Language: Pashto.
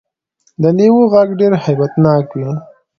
د لیوه غږ ډیر هیبت ناک وي